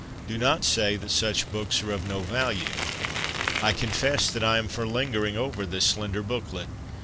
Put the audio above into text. Do not say that such books are of no value. I confess that I am for lingering over this slender booklet.